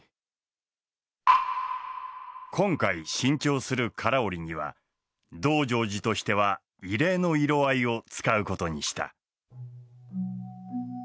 今回新調する唐織には「道成寺」としては異例の色合いを使うことにした。